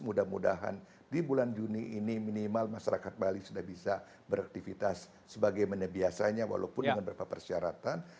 mudah mudahan di bulan juni ini minimal masyarakat bali sudah bisa beraktivitas sebagaimana biasanya walaupun dengan beberapa persyaratan